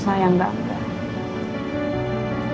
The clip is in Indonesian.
sama yang gak ada